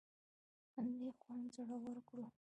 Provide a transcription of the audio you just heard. همدې خوند زړور کړو.